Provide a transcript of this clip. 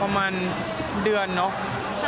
ประมาณเดือนเนาะ